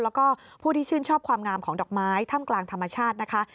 แล้วก็ผู้ที่ชื่นชอบความงามของดอกไม้ถ้ำกลางธรรมชาตินะคะ